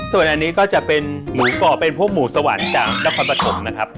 ส่วนอันนี้ก็จะเป็นหมูกรอบเป็นพวกหมูสวรรค์จากนครปฐมนะครับ